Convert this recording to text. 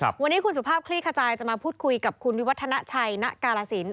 วันนี้คุณสุภาพคลี่ขจายจะมาพูดคุยกับคุณวิวัฒนาชัยณกาลสิน